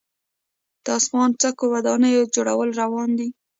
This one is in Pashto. د اسمان څکو ودانیو جوړول روان دي.